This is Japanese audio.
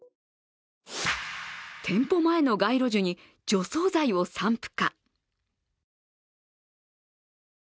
店舗前の街路樹に除草剤を散布か。